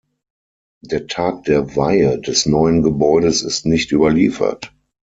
Der Tag der Weihe des neuen Gebäudes ist nicht überliefert.